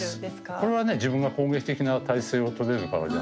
これはね自分が攻撃的な体勢を取れるからじゃ。